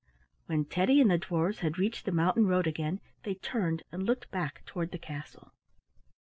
When Teddy and the dwarfs had reached the mountain road again they turned and looked back toward the castle.